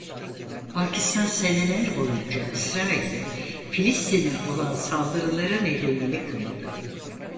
Pakistan seneler boyunca İsrail'i Filistin'e olan saldırıları nedeniyle kınadı.